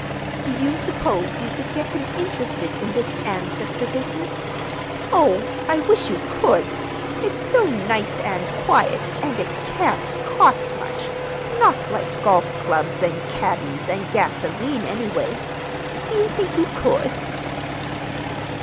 Do you suppose you could get him interested in this ancestor business? Oh, I wish you could! It's so nice and quiet, and it can't cost much—not like golf clubs and caddies and gasoline, anyway. Do you think you could?"